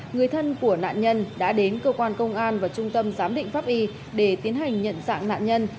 người thân của nạn nhân đã đến cơ quan công an và trung tâm giám định pháp y để tiến hành nhận dạng nạn nhân